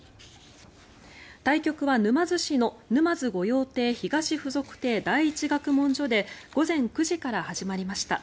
対局は沼津市の沼津御用邸東附属邸第一学問所で午前９時から始まりました。